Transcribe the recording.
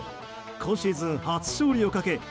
今シーズン初勝利をかけ